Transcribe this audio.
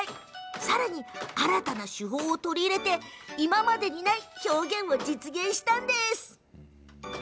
さらに、新たな手法を取り入れて今までにない表現を実現したのです。